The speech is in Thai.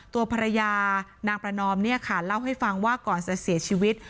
ตัวภรรยานางประนอมเนี่ยค่ะเล่าให้ฟังว่าก่อนจะเสียชีวิต